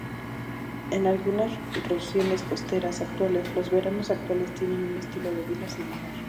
En algunas regiones costeras actuales, los varanos actuales tienen un estilo de vida similar.